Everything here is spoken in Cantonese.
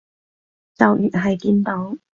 就越係見到